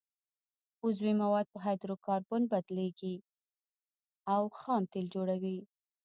عضوي مواد په هایدرو کاربن بدلیږي او خام تیل جوړوي